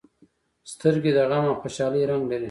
سترګې د غم او خوشالۍ رنګ لري